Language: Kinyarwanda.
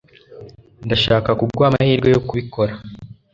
ndashaka kuguha amahirwe yo kubikora